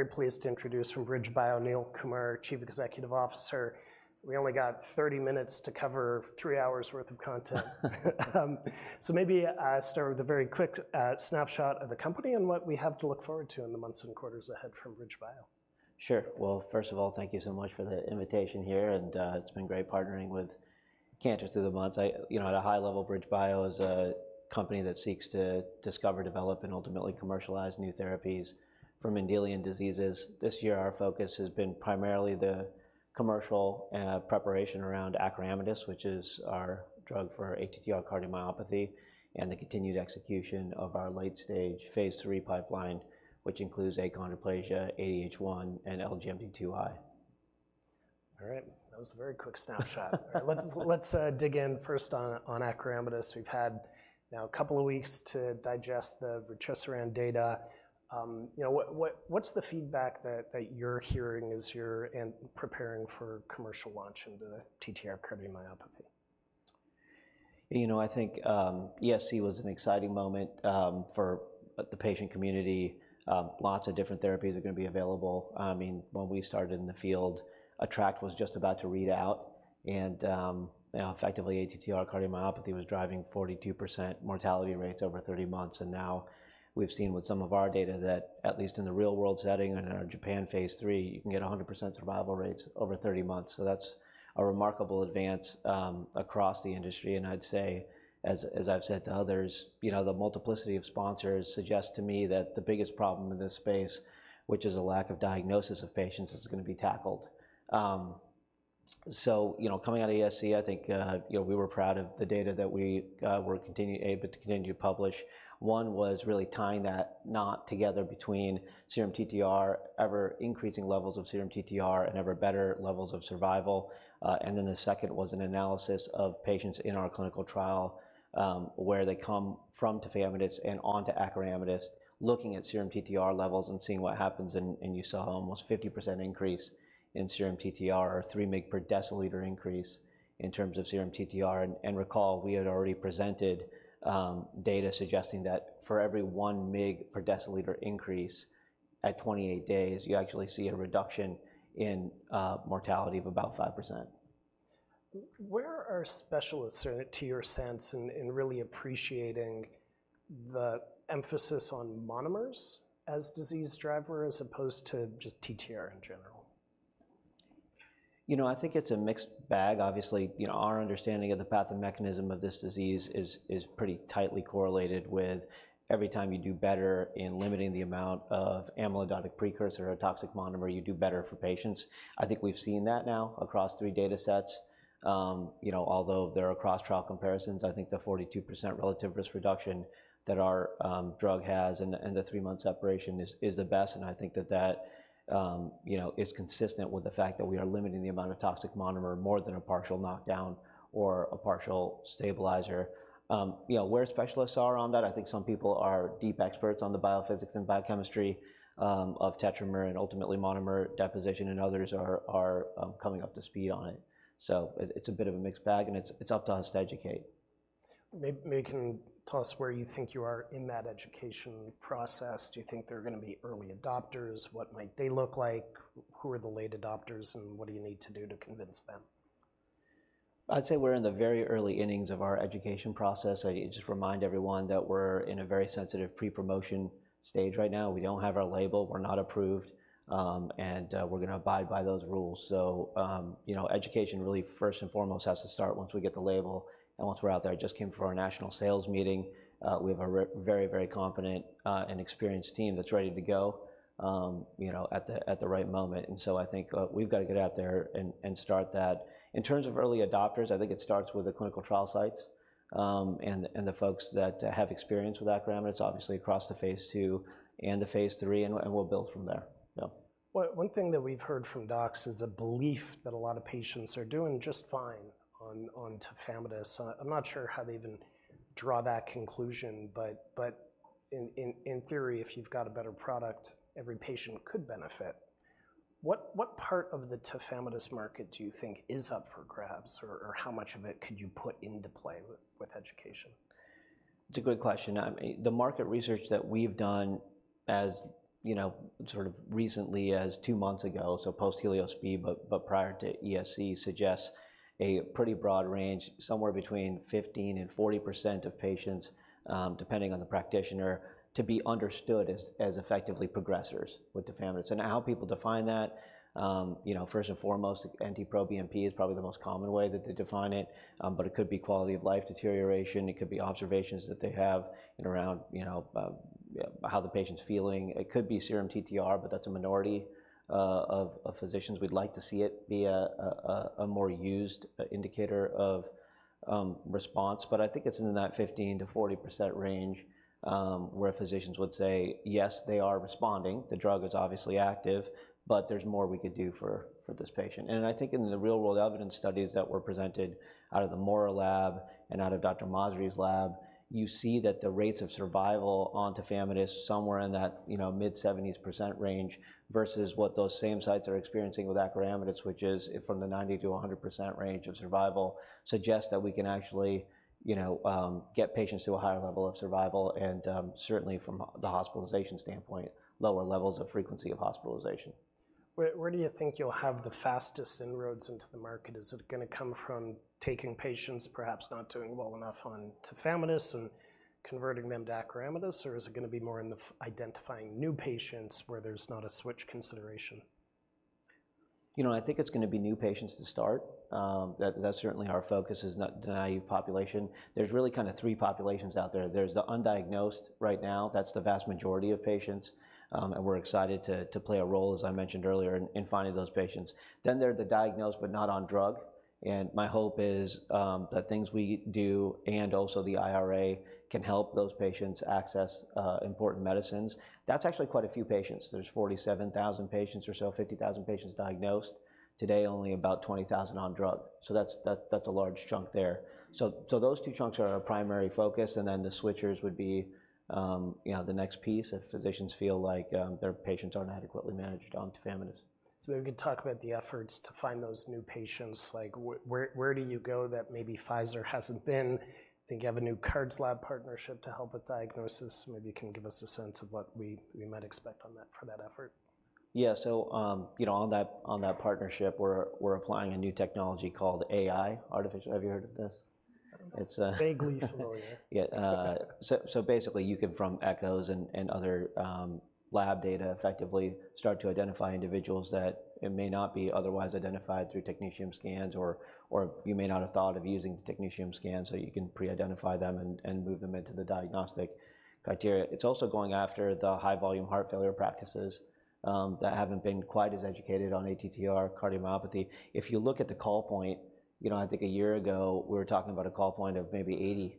Very pleased to introduce from BridgeBio, Neil Kumar, Chief Executive Officer. We only got thirty minutes to cover three hours' worth of content. So maybe start with a very quick snapshot of the company and what we have to look forward to in the months and quarters ahead from BridgeBio. Sure. First of all, thank you so much for the invitation here, and it's been great partnering with Cantor Fitzgerald. You know, at a high level, BridgeBio is a company that seeks to discover, develop, and ultimately commercialize new therapies for Mendelian diseases. This year, our focus has been primarily the commercial preparation around acoramidis, which is our drug for ATTR cardiomyopathy, and the continued execution of our late-stage phase III pipeline, which includes achondroplasia, ADH1, and LGMD2I. All right. That was a very quick snapshot. Let's dig in first on acoramidis. We've had now a couple of weeks to digest the vutrisiran data. You know, what's the feedback that you're hearing as you're preparing for commercial launch into TTR cardiomyopathy? You know, I think, ESC was an exciting moment, for the patient community. Lots of different therapies are gonna be available. I mean, when we started in the field, ATTR was just about to read out, and, you know, effectively, ATTR cardiomyopathy was driving 42% mortality rates over 30 months, and now we've seen with some of our data that, at least in the real-world setting and in our Japan phase III, you can get 100% survival rates over 30 months, so that's a remarkable advance, across the industry, and I'd say, as, as I've said to others, you know, the multiplicity of sponsors suggests to me that the biggest problem in this space, which is a lack of diagnosis of patients, is gonna be tackled. So, you know, coming out of ESC, I think, you know, we were proud of the data that we were able to continue to publish. One was really tying that knot together between serum TTR, ever-increasing levels of serum TTR and ever-better levels of survival. And then the second was an analysis of patients in our clinical trial, where they come from tafamidis and on to acoramidis, looking at serum TTR levels and seeing what happens. And you saw almost 50% increase in serum TTR, or three mg per dL increase in terms of serum TTR. And recall, we had already presented data suggesting that for every one mg per dL increase at 28 days, you actually see a reduction in mortality of about 5%. Where are specialists, to your sense in really appreciating the emphasis on monomers as disease driver, as opposed to just TTR in general? You know, I think it's a mixed bag. Obviously, you know, our understanding of the path and mechanism of this disease is pretty tightly correlated with every time you do better in limiting the amount of amyloidotic precursor or toxic monomer, you do better for patients. I think we've seen that now across three data sets. You know, although there are cross-trial comparisons, I think the 42% relative risk reduction that our drug has and the three-month separation is the best, and I think that is consistent with the fact that we are limiting the amount of toxic monomer more than a partial knockdown or a partial stabilizer. You know, where specialists are on that, I think some people are deep experts on the biophysics and biochemistry of tetramer and ultimately monomer deposition, and others are coming up to speed on it. So it's a bit of a mixed bag, and it's up to us to educate. Maybe you can tell us where you think you are in that education process. Do you think there are gonna be early adopters? What might they look like? Who are the late adopters, and what do you need to do to convince them? I'd say we're in the very early innings of our education process. I just remind everyone that we're in a very sensitive pre-promotion stage right now. We don't have our label. We're not approved, and we're gonna abide by those rules. So, you know, education really first and foremost has to start once we get the label and once we're out there. I just came from our national sales meeting. We have very, very competent and experienced team that's ready to go, you know, at the right moment, and so I think we've got to get out there and start that. In terms of early adopters, I think it starts with the clinical trial sites, and the folks that have experience with acoramidis, obviously across the phase II and the phase III, and we'll build from there. Yeah. One thing that we've heard from docs is a belief that a lot of patients are doing just fine on tafamidis. I'm not sure how they even draw that conclusion, but in theory, if you've got a better product, every patient could benefit. What part of the tafamidis market do you think is up for grabs, or how much of it could you put into play with education? It's a good question. I mean, the market research that we've done, as, you know, sort of recently as two months ago, so post HELIOS-B but prior to ESC, suggests a pretty broad range, somewhere between 15% and 40% of patients, depending on the practitioner, to be understood as effectively progressors with tafamidis. And how people define that, you know, first and foremost, NT-proBNP is probably the most common way that they define it. But it could be quality-of-life deterioration, it could be observations that they have in around, you know, how the patient's feeling. It could be serum TTR, but that's a minority of physicians. We'd like to see it be a more used indicator of response, but I think it's in that 15%-40% range, where physicians would say, "Yes, they are responding. The drug is obviously active, but there's more we could do for this patient." And I think in the real-world evidence studies that were presented out of the Mora lab and out of Dr. Masri's lab, you see that the rates of survival on tafamidis, somewhere in that, you know, mid-seventies percent range, versus what those same sites are experiencing with acoramidis, which is from the 90%-100% range of survival, suggests that we can actually, you know, get patients to a higher level of survival and certainly from the hospitalization standpoint, lower levels of frequency of hospitalization. Where do you think you'll have the fastest inroads into the market? Is it gonna come from taking patients perhaps not doing well enough on tafamidis and converting them to acoramidis, or is it gonna be more from identifying new patients where there's not a switch consideration? You know, I think it's gonna be new patients to start. That's certainly our focus, is the naive population. There's really kind of three populations out there. There's the undiagnosed right now, that's the vast majority of patients, and we're excited to play a role, as I mentioned earlier, in finding those patients. Then there are the diagnosed but not on drug, and my hope is, that things we do and also the IRA can help those patients access important medicines. That's actually quite a few patients. There's 47,000 patients or so, 50,000 patients diagnosed. Today, only about 20,000 on drug, so that's a large chunk there. Those two chunks are our primary focus, and then the switchers would be, you know, the next piece if physicians feel like their patients aren't adequately managed on tafamidis. So we can talk about the efforts to find those new patients. Like, where do you go that maybe Pfizer hasn't been? I think you have a new cardiology lab partnership to help with diagnosis. Maybe you can give us a sense of what we might expect on that, for that effort. Yeah. So, you know, on that partnership, we're applying a new technology called AI, artificial... Have you heard of this? I don't know. It's, uh- Vaguely familiar. Yeah. So basically, you can, from echoes and other lab data, effectively start to identify individuals that it may not be otherwise identified through technetium scans or you may not have thought of using the technetium scan, so you can pre-identify them and move them into the diagnostic criteria. It's also going after the high-volume heart failure practices that haven't been quite as educated on ATTR cardiomyopathy. If you look at the call point, you know, I think a year ago, we were talking about a call point of maybe 80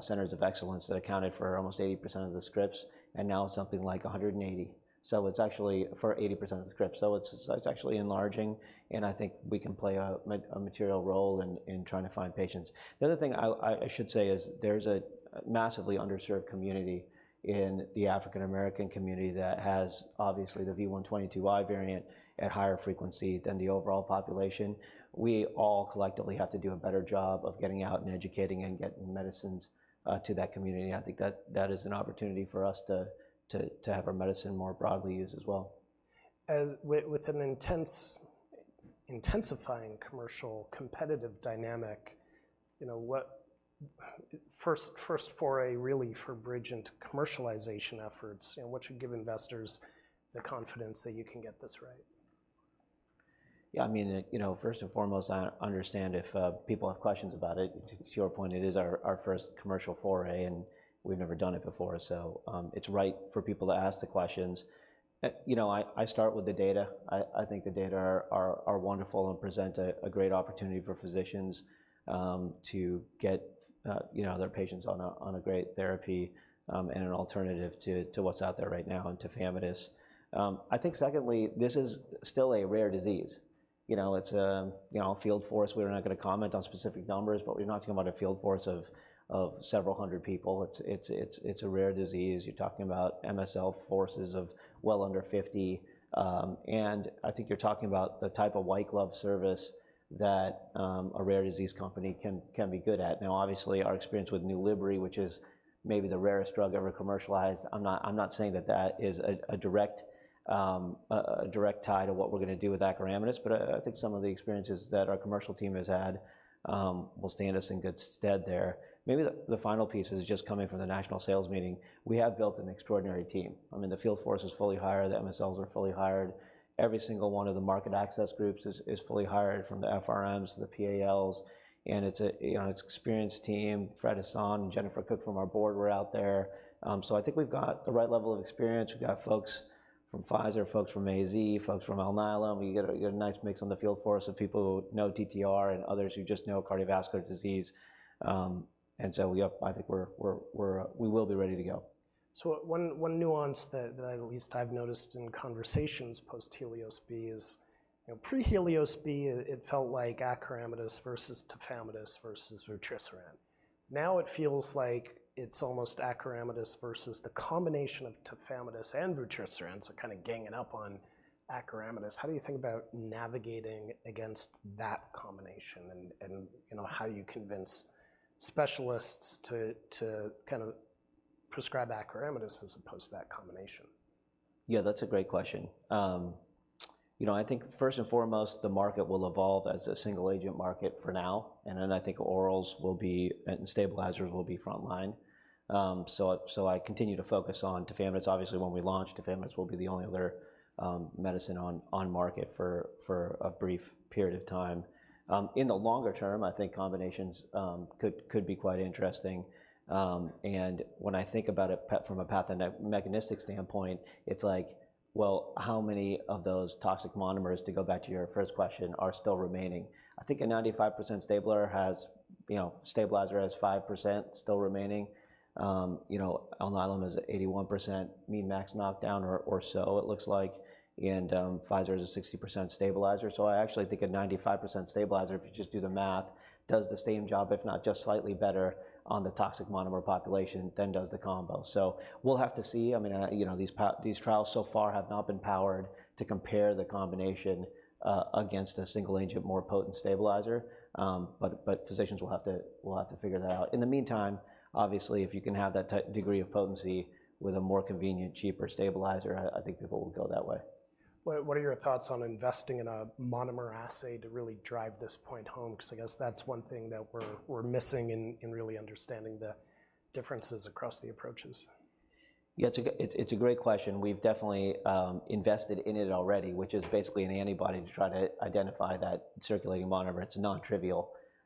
centers of excellence that accounted for almost 80% of the scripts, and now it's something like 180. So it's actually for 80% of the scripts. So it's actually enlarging, and I think we can play a material role in trying to find patients. The other thing I should say is there's a massively underserved community in the African American community that has, obviously, the V122I variant at higher frequency than the overall population. We all collectively have to do a better job of getting out and educating and getting medicines to that community. I think that is an opportunity for us to have our medicine more broadly used as well. With an intense, intensifying commercial competitive dynamic, you know. First foray really for Bridge into commercialization efforts, and what should give investors the confidence that you can get this right? Yeah, I mean, you know, first and foremost, I understand if people have questions about it. To your point, it is our first commercial foray, and we've never done it before, so it's right for people to ask the questions. You know, I start with the data. I think the data are wonderful and present a great opportunity for physicians to get you know, their patients on a great therapy and an alternative to what's out there right now, and tafamidis. I think secondly, this is still a rare disease. You know, it's a you know, field force. We're not gonna comment on specific numbers, but we're not talking about a field force of several hundred people. It's a rare disease. You're talking about MSL forces of well under 50 and I think you're talking about the type of white glove service that a rare disease company can be good at. Now, obviously, our experience with NULIBRY, which is maybe the rarest drug ever commercialized, I'm not saying that is a direct tie to what we're gonna do with acoramidis, but I think some of the experiences that our commercial team has had will stand us in good stead there. Maybe the final piece is just coming from the national sales meeting. We have built an extraordinary team. I mean, the field force is fully hired, the MSLs are fully hired. Every single one of the market access groups is fully hired, from the FRMs to the PALs, and it's, you know, an experienced team. Fred Hassan and Jennifer Cook from our board were out there. So I think we've got the right level of experience. We've got folks from Pfizer, folks from AZ, folks from Alnylam. We get a nice mix on the field force of people who know TTR and others who just know cardiovascular disease. I think we will be ready to go. One nuance that I at least I've noticed in conversations post HELIOS-B is, you know, pre HELIOS-B, it felt like acoramidis versus tafamidis versus vutrisiran. Now, it feels like it's almost acoramidis versus the combination of tafamidis and vutrisiran, so kind of ganging up on acoramidis. How do you think about navigating against that combination and, you know, how you convince specialists to kind of prescribe acoramidis as opposed to that combination? Yeah, that's a great question. You know, I think first and foremost, the market will evolve as a single-agent market for now, and then I think orals will be, and stabilizers will be frontline. So I continue to focus on tafamidis. Obviously, when we launch, tafamidis will be the only other medicine on market for a brief period of time. In the longer term, I think combinations could be quite interesting. And when I think about it, from a pathomechanistic standpoint, it's like, well, how many of those toxic monomers, to go back to your first question, are still remaining? I think a 95% stabler has, you know, stabilizer has 5% still remaining. You know, Alnylam has 81% mean max knockdown or so it looks like, and Pfizer is a 60% stabilizer. So I actually think a 95% stabilizer, if you just do the math, does the same job, if not just slightly better, on the toxic monomer population than does the combo. So we'll have to see. I mean, you know, these trials so far have not been powered to compare the combination against a single-agent, more potent stabilizer. But physicians will have to figure that out. In the meantime, obviously, if you can have that degree of potency with a more convenient, cheaper stabilizer, I think people will go that way. What are your thoughts on investing in a monomer assay to really drive this point home? 'Cause I guess that's one thing that we're missing in really understanding the differences across the approaches. Yeah, it's a great question. We've definitely invested in it already, which is basically an antibody to try to identify that circulating monomer. It's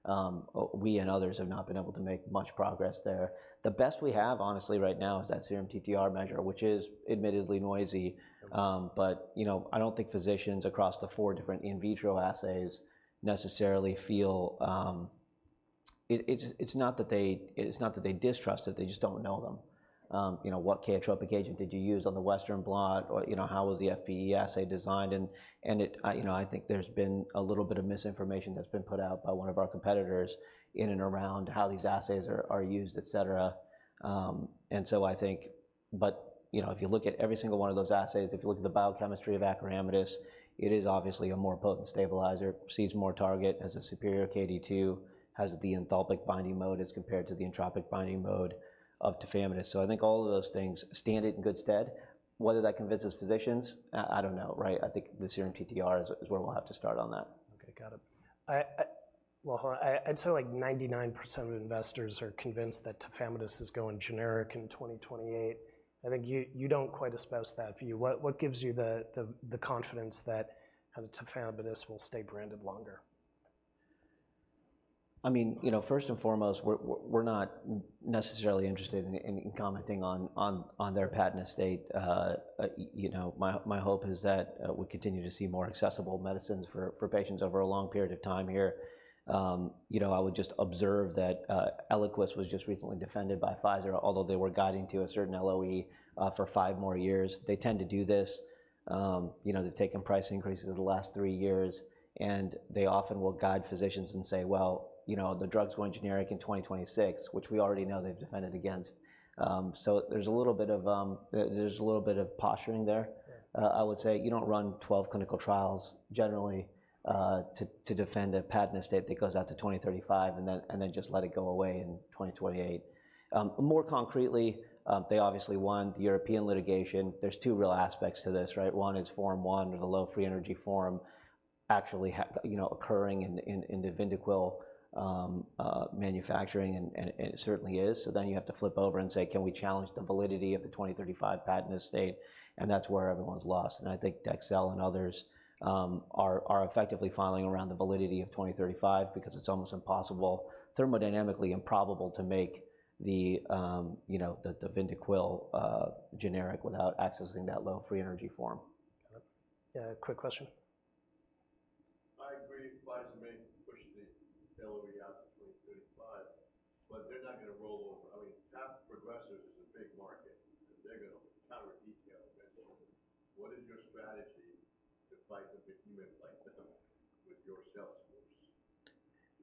non-trivial. We and others have not been able to make much progress there. The best we have, honestly, right now, is that serum TTR measure, which is admittedly noisy. But, you know, I don't think physicians across the four different in vitro assays necessarily feel... It's not that they distrust it, they just don't know them. You know, what chaotropic agent did you use on the Western blot? Or, you know, how was the FBE assay designed? You know, I think there's been a little bit of misinformation that's been put out by one of our competitors in and around how these assays are used, et cetera. But you know, if you look at every single one of those assays, if you look at the biochemistry of acoramidis, it is obviously a more potent stabilizer, seizes more target, has a superior Kd, has the enthalpic binding mode as compared to the entropic binding mode of tafamidis. So I think all of those things stand it in good stead. Whether that convinces physicians, I don't know, right? I think the serum TTR is where we'll have to start on that. Okay, got it. Hold on. I'd say, like, 99% of investors are convinced that tafamidis is going generic in 2028. I think you don't quite espouse that view. What gives you the confidence that tafamidis will stay branded longer? I mean, you know, first and foremost, we're not necessarily interested in commenting on their patent estate. You know, my hope is that we continue to see more accessible medicines for patients over a long period of time here. You know, I would just observe that Eliquis was just recently defended by Pfizer, although they were guiding to a certain LOE for five more years. They tend to do this. You know, they've taken price increases in the last three years, and they often will guide physicians and say, "Well, you know, the drugs go generic in 2026," which we already know they've defended against. So there's a little bit of posturing there. Sure. I would say you don't run 12 clinical trials generally to defend a patent estate that goes out to 2035, and then just let it go away in 2028. More concretely, they obviously won the European litigation. There's two real aspects to this, right? One is Form I, or the low free energy form, actually you know occurring in the Vyndaqel manufacturing, and it certainly is. So then you have to flip over and say: Can we challenge the validity of the 2035 patent estate? And that's where everyone's lost, and I think Dexcel and others are effectively filing around the validity of 2035 because it's almost impossible, thermodynamically improbable, to make you know the Vyndaqel generic without accessing that low free energy form. Got it. Yeah, quick question.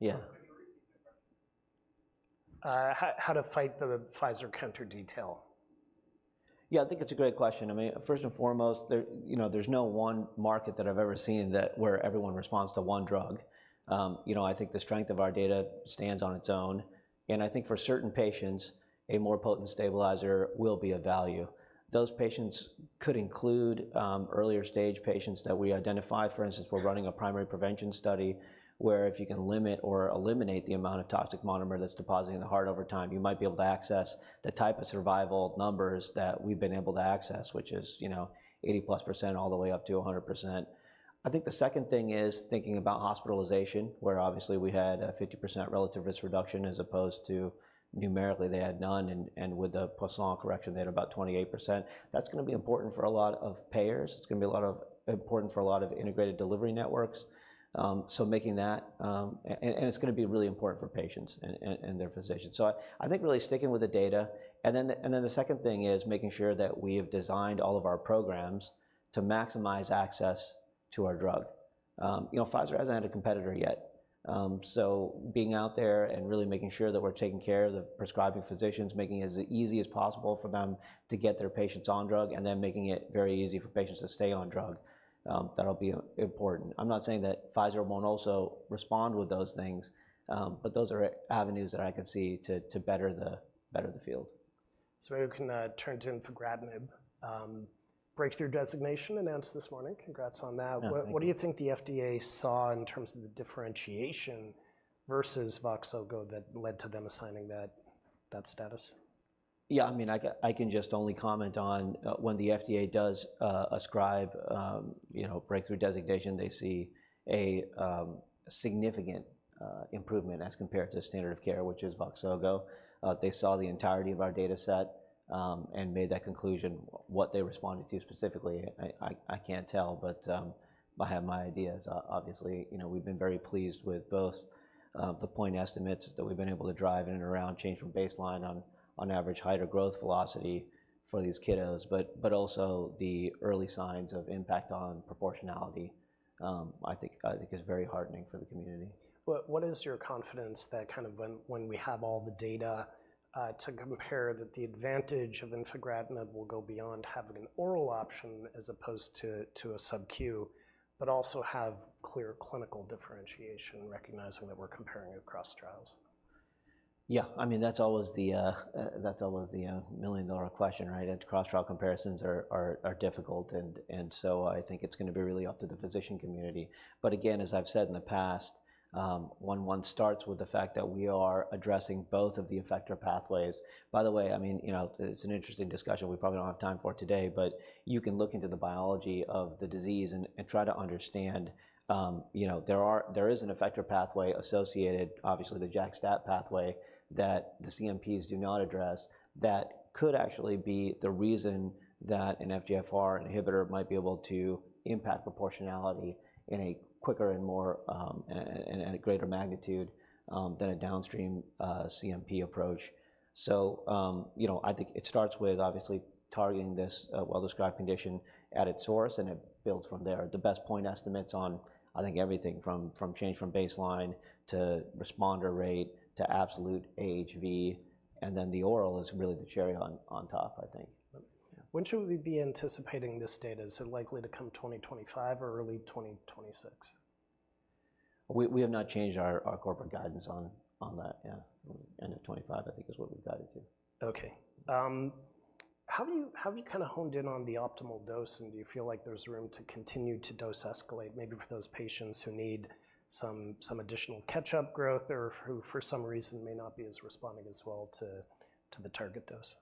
I agree, Pfizer may push the LOE out to 2035, but they're not gonna roll over. I mean, AF progressors is a big market, and they're gonna counter-detail. What is your strategy to fight the behemoth, like, with your sales force? Yeah. How to fight the Pfizer counter-detail? Yeah, I think it's a great question. I mean, first and foremost, there, you know, there's no one market that I've ever seen where everyone responds to one drug. You know, I think the strength of our data stands on its own, and I think for certain patients, a more potent stabilizer will be of value. Those patients could include, earlier-stage patients that we identify. For instance, we're running a primary prevention study, where if you can limit or eliminate the amount of toxic monomer that's depositing in the heart over time, you might be able to access the type of survival numbers that we've been able to access, which is, you know, +80% all the way up to 100%. I think the second thing is thinking about hospitalization, where obviously we had a 50% relative risk reduction, as opposed to numerically they had none, and with the Poisson correction, they had about 28%. That's gonna be important for a lot of payers. It's gonna be a lot of important for a lot of integrated delivery networks. And it's gonna be really important for patients and their physicians. So I think really sticking with the data, and then the second thing is making sure that we have designed all of our programs to maximize access to our drug. You know, Pfizer hasn't had a competitor yet. So being out there and really making sure that we're taking care of the prescribing physicians, making it as easy as possible for them to get their patients on drug, and then making it very easy for patients to stay on drug, that'll be important. I'm not saying that Pfizer won't also respond with those things, but those are avenues that I can see to better the field. We can turn to Infigratinib. Breakthrough designation announced this morning. Congrats on that. Yeah, thank you. What do you think the FDA saw in terms of the differentiation versus VOXZOGO that led to them assigning that status? Yeah, I mean, I can just only comment on when the FDA does ascribe you know breakthrough designation, they see a significant improvement as compared to the standard of care, which is VOXZOGO. They saw the entirety of our data set and made that conclusion. What they responded to specifically, I can't tell, but I have my ideas. Obviously, you know, we've been very pleased with both the point estimates that we've been able to drive in and around change from baseline on average height or growth velocity for these kiddos, but also the early signs of impact on proportionality, I think, is very heartening for the community. What is your confidence that kind of when we have all the data to compare, that the advantage of Infigratinib will go beyond having an oral option as opposed to a sub-Q, but also have clear clinical differentiation, recognizing that we're comparing across trials? .Yeah, I mean, that's always the million-dollar question, right? And cross-trial comparisons are difficult, and so I think it's gonna be really up to the physician community. But again, as I've said in the past, when one starts with the fact that we are addressing both of the effector pathways... By the way, I mean, you know, it's an interesting discussion we probably don't have time for today, but you can look into the biology of the disease and try to understand, you know, there is an effector pathway associated, obviously, the JAK/STAT pathway, that the CNPs do not address, that could actually be the reason that an FGFR inhibitor might be able to impact proportionality in a quicker and more and at a greater magnitude than a downstream CMP approach. So, you know, I think it starts with obviously targeting this well-described condition at its source, and it builds from there. The best point estimates on, I think, everything from change from baseline to responder rate to absolute AHV, and then the oral is really the cherry on top, I think. When should we be anticipating this data? Is it likely to come 2025 or early 2026? We have not changed our corporate guidance on that, yeah. End of 2025, I think, is what we've guided to. Okay. How have you kind of honed in on the optimal dose, and do you feel like there's room to continue to dose escalate, maybe for those patients who need some additional catch-up growth or who, for some reason, may not be as responding as well to the target dose?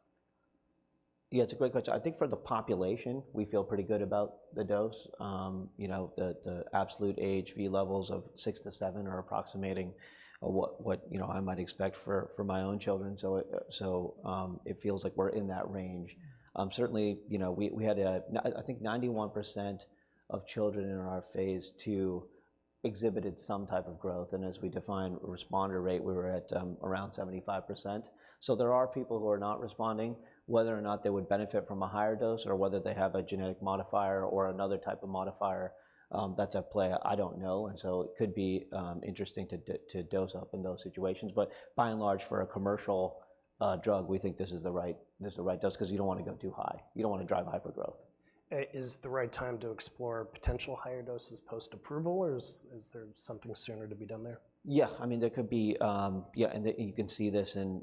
Yeah, it's a great question. I think for the population, we feel pretty good about the dose. You know, the absolute AHV levels of six to seven are approximating what you know, I might expect for my own children. So it feels like we're in that range. Certainly, you know, we had. I think 91% of children in our phase II exhibited some type of growth, and as we defined responder rate, we were at around 75%. So there are people who are not responding. Whether or not they would benefit from a higher dose or whether they have a genetic modifier or another type of modifier, that's at play, I don't know, and so it could be interesting to dose up in those situations. But by and large, for a commercial drug, we think this is the right dose, 'cause you don't wanna go too high. You don't wanna drive hypergrowth. Is the right time to explore potential higher doses post-approval, or is there something sooner to be done there? Yeah, I mean, there could be. Yeah, and you can see this in,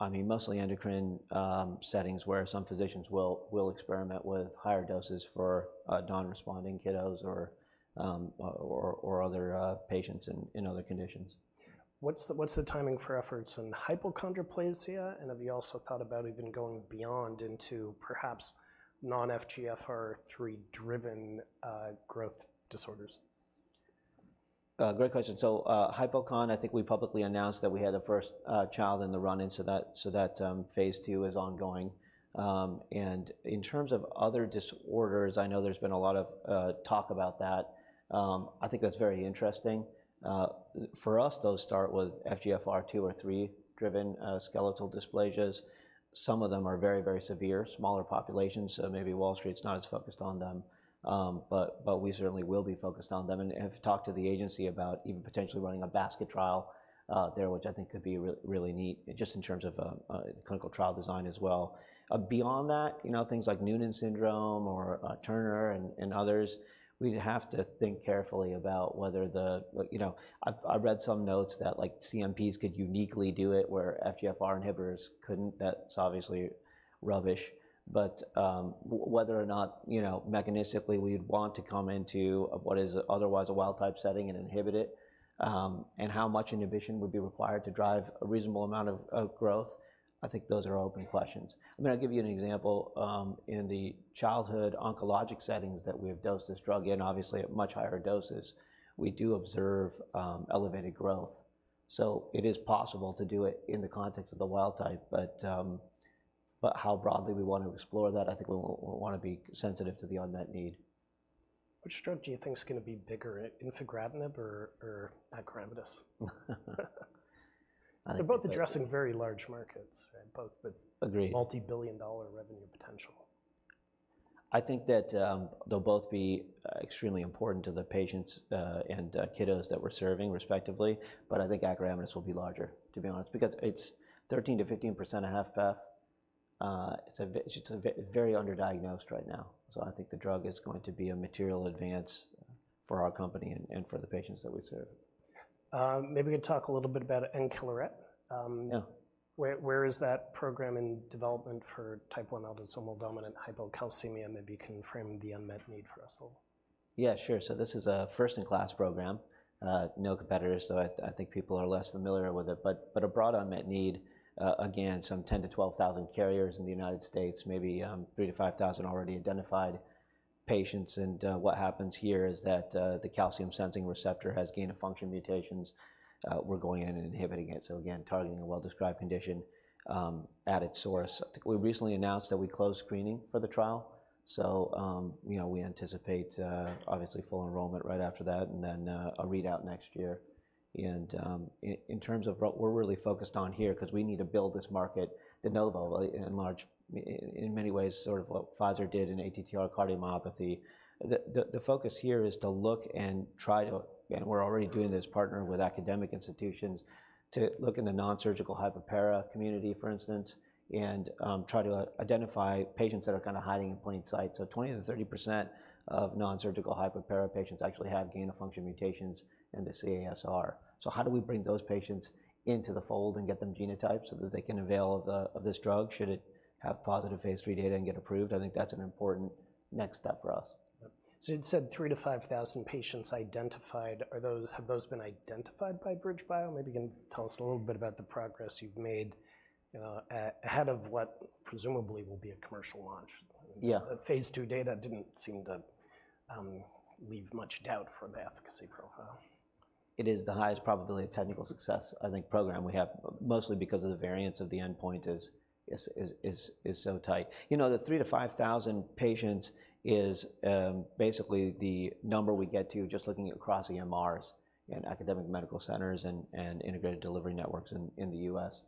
I mean, mostly endocrine settings, where some physicians will experiment with higher doses for non-responding kiddos or other patients in other conditions. What's the timing for efforts in hypochondroplasia, and have you also thought about even going beyond into perhaps non-FGFR3-driven, growth disorders? Great question. So, hypochondroplasia, I think we publicly announced that we had a first child in the run-in, so that phase II is ongoing. And in terms of other disorders, I know there's been a lot of talk about that. I think that's very interesting. For us, those start with FGFR2 or 3-driven skeletal dysplasias. Some of them are very, very severe, smaller populations, so maybe Wall Street's not as focused on them. But we certainly will be focused on them and have talked to the agency about even potentially running a basket trial there, which I think could be really neat, just in terms of clinical trial design as well. Beyond that, you know, things like Noonan syndrome or Turner and others, we'd have to think carefully about whether the you know, I've read some notes that, like, CMPs could uniquely do it, where FGFR inhibitors couldn't. That's obviously rubbish, but whether or not, you know, mechanistically, we'd want to come into what is otherwise a wild-type setting and inhibit it, and how much inhibition would be required to drive a reasonable amount of growth, I think those are open questions. I mean, I'll give you an example. In the childhood oncologic settings that we have dosed this drug in, obviously at much higher doses, we do observe elevated growth. So it is possible to do it in the context of the wild type, but, but how broadly we want to explore that, I think we wanna be sensitive to the unmet need. Which drug do you think is gonna be bigger, Infigratinib or acoramidis? I think- They're both addressing very large markets, right? Both with- Agreed multibillion-dollar revenue potential. I think that they'll both be extremely important to the patients and kiddos that we're serving, respectively, but I think acoramidis will be larger, to be honest, because it's 13%-15% in HFpEF. It's very underdiagnosed right now, so I think the drug is going to be a material advance for our company and for the patients that we serve. Maybe you'd talk a little bit about Encaleret. Yeah. Where is that program in development for type I autosomal dominant hypocalcemia? Maybe you can frame the unmet need for us a little. Yeah, sure. So this is a first-in-class program. No competitors, so I think people are less familiar with it, but a broad unmet need, again, some 10-12 thousand carriers in the United States, maybe three to five thousand already identified patients. What happens here is that the calcium-sensing receptor has gain-of-function mutations. We're going in and inhibiting it, so again, targeting a well-described condition at its source. I think we recently announced that we closed screening for the trial, so you know, we anticipate obviously full enrollment right after that, and then a readout next year. In terms of what we're really focused on here, 'cause we need to build this market de novo, in many ways, sort of what Pfizer did in ATTR cardiomyopathy, the focus here is to look and try to. Again, we're already doing this, partnering with academic institutions to look in the nonsurgical hypopara community, for instance, and try to identify patients that are kind of hiding in plain sight. So 20%-30% of nonsurgical hypopara patients actually have gain-of-function mutations in the CASR. So how do we bring those patients into the fold and get them genotyped so that they can avail of this drug, should it have positive phase III data and get approved? I think that's an important next step for us. So you'd said three to five thousand patients identified. Are those- have those been identified by BridgeBio? Maybe you can tell us a little bit about the progress you've made, you know, ahead of what presumably will be a commercial launch. Yeah. The phase II data didn't seem to leave much doubt from the efficacy profile. It is the highest probability of technical success, I think, program we have, mostly because of the variance of the endpoint is so tight. You know, the three to five thousand patients is basically the number we get to just looking across EMRs and academic medical centers and integrated delivery networks in the U.S.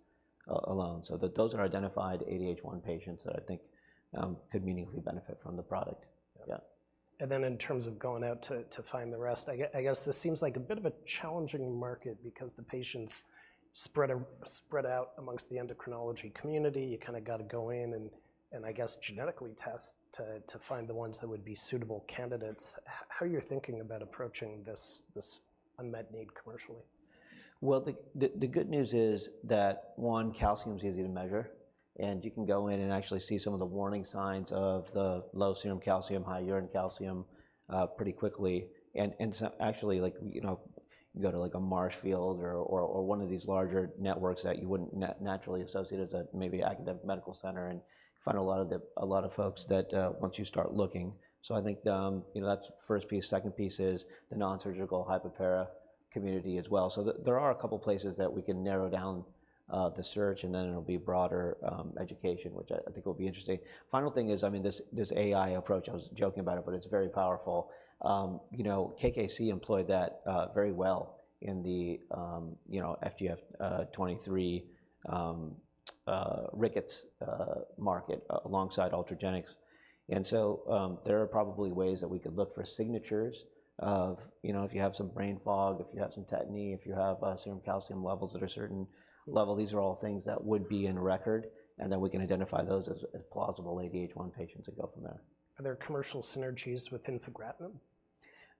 alone. So those are identified ADH1 patients that I think could meaningfully benefit from the product. Yeah. And then in terms of going out to find the rest, I guess this seems like a bit of a challenging market because the patients spread out amongst the endocrinology community. You kind of got to go in and I guess genetically test to find the ones that would be suitable candidates. How are you thinking about approaching this unmet need commercially? The good news is that one, calcium is easy to measure, and you can go in and actually see some of the warning signs of the low serum calcium, high urine calcium pretty quickly, so actually, like, you know, you go to, like, a Marshfield or one of these larger networks that you wouldn't naturally associate as a maybe academic medical center and find a lot of folks that once you start looking, so I think, you know, that's the first piece. Second piece is the non-surgical hyperpara community as well, so there are a couple of places that we can narrow down the search, and then it'll be broader education, which I think will be interesting. Final thing is, I mean, this, this AI approach, I was joking about it, but it's very powerful. You know, KKC employed that very well in the, you know, FGF23, rickets, market, alongside Ultragenyx. And so, there are probably ways that we could look for signatures of, you know, if you have some brain fog, if you have some tetany, if you have, serum calcium levels that are certain level, these are all things that would be in a record, and then we can identify those as plausible ADH1 patients and go from there. Are there commercial synergies with infigratinib?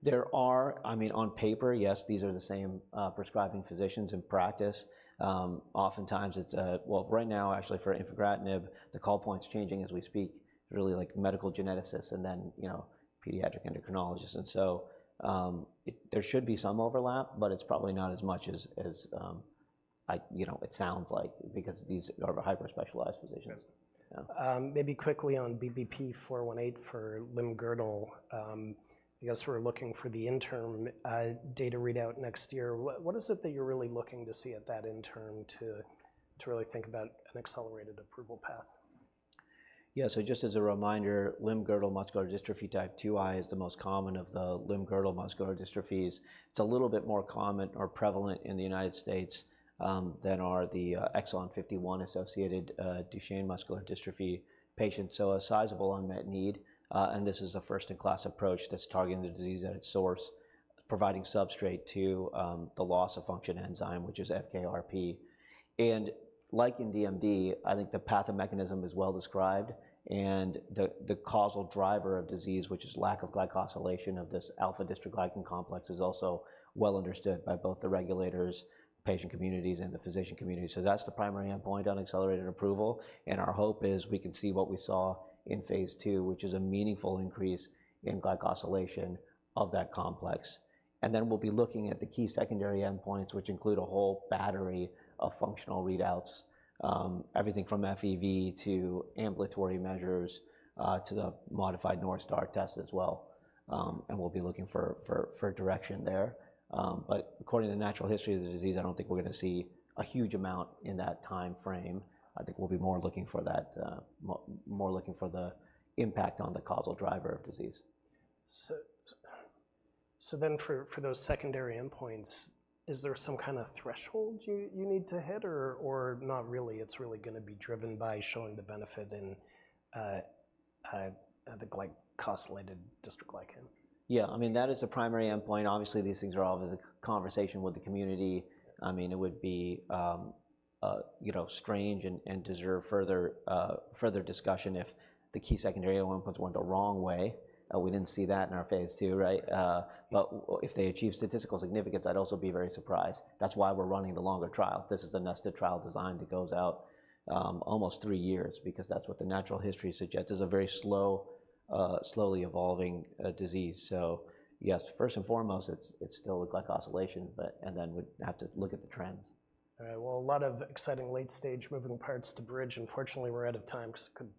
There are. I mean, on paper, yes, these are the same prescribing physicians. In practice, oftentimes, it's... Well, right now, actually, for Infigratinib, the call point is changing as we speak. It's really like medical geneticists and then, you know, pediatric endocrinologists. And so, there should be some overlap, but it's probably not as much as you know, it sounds like because these are hyper-specialized physicians. Yeah. Yeah. Maybe quickly on BBP-418 for limb-girdle. I guess we're looking for the interim data readout next year. What is it that you're really looking to see at that interim to really think about an accelerated approval path? Yeah, so just as a reminder, limb-girdle muscular dystrophy type 2I is the most common of the limb-girdle muscular dystrophies. It's a little bit more common or prevalent in the United States than are the exon 51-associated Duchenne muscular dystrophy patients, so a sizable unmet need. And this is a first-in-class approach that's targeting the disease at its source, providing substrate to the loss-of-function enzyme, which is FKRP. And like in DMD, I think the pathomechanism is well described, and the causal driver of disease, which is lack of glycosylation of this alpha dystroglycan complex, is also well understood by both the regulators, patient communities, and the physician community. So that's the primary endpoint on accelerated approval, and our hope is we can see what we saw in phase II, which is a meaningful increase in glycosylation of that complex. And then we'll be looking at the key secondary endpoints, which include a whole battery of functional readouts, everything from FEV to ambulatory measures, to the Modified North Star test as well. And we'll be looking for direction there. But according to the natural history of the disease, I don't think we're going to see a huge amount in that time frame. I think we'll be more looking for that, more looking for the impact on the causal driver of disease. So then for those secondary endpoints, is there some kind of threshold you need to hit, or not really? It's really going to be driven by showing the benefit in the glycosylated dystroglycan. Yeah, I mean, that is a primary endpoint. Obviously, these things are always a conversation with the community. I mean, it would be, you know, strange and deserve further discussion if the key secondary endpoints went the wrong way. We didn't see that in our phase II, right? But if they achieve statistical significance, I'd also be very surprised. That's why we're running the longer trial. This is a nested trial design that goes out, almost three years because that's what the natural history suggests. It's a very slow, slowly evolving, disease. So yes, first and foremost, it's still glycosylation, but... and then we'd have to look at the trends. All right, well, a lot of exciting late-stage moving parts to Bridge, and fortunately, we're out of time, because-